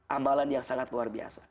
amalan yang sangat luar biasa